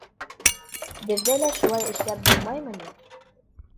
Беҙҙә лә шулай эшләп булмаймы ни?